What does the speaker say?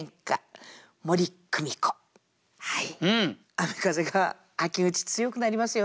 雨風が秋口強くなりますよね。